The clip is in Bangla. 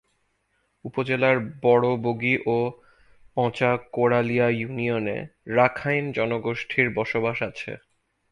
উপজেলার বড়বগী ও পঁচাকোড়ালিয়া ইউনিয়নে রাখাইন জনগোষ্ঠীর বসবাস আছে।